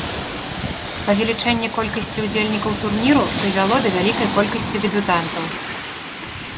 Павелічэнне колькасці ўдзельнікаў турніру прывяло да вялікай колькасці дэбютантаў.